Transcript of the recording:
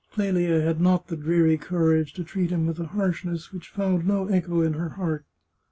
Clelia had not the dreary courage to treat him with a harshness which found no echo in her heart.